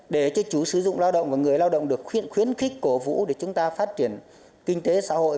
để cho chủ sử dụng lao động và người lao động được khuyến khích cổ vũ để chúng ta phát triển kinh tế xã hội